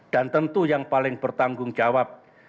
dan tentu yang paling bertanggung jawab